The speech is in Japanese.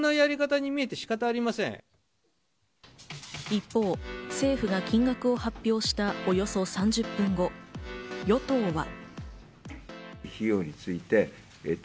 一方、政府が金額を発表したおよそ３０分後、与党は。